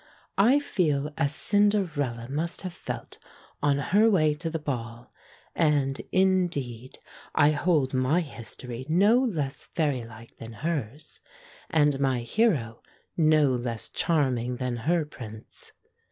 I feel as Cinderella must have felt on her way to the Ball, and, in deed, I hold my history no less fairy like than hers, and my hero no less charming than her Prince.